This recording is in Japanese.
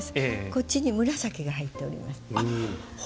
こっちに紫が入っています。